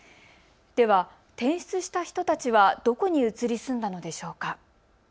では、転出した人たちはどこに移り住んだのでしょうか。